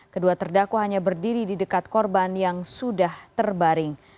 kedua terdakwa hanya berdiri di dekat korban yang sudah terbaring